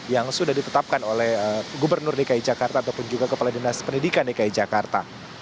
yang sudah ditetapkan oleh gubernur dki jakarta ataupun juga kepala dinas pendidikan dki jakarta